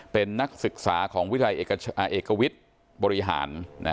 เป็นนักศึกษาของวิลัยเอกวิทย์บริหาร